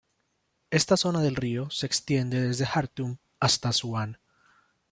Esta zona del río se extiende desde Jartum hasta Asuán.